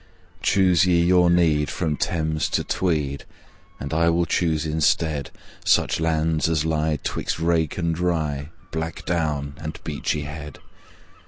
Choose ye your need from Thames to Tweed, And I will choose instead Such lands as lie 'twixt Rake and Rye, Black Down and Beachy Head.